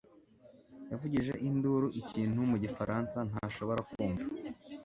yavugije induru ikintu mu gifaransa ntashobora kumva.